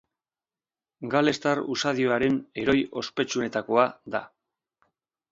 Galestar usadioaren heroi ospetsuenetakoa da.